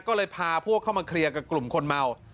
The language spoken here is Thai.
ก็เลยพาพวกเข้ามาเคลียร์กับกลุ่มคนเมา